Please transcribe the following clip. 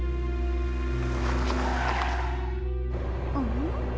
ん？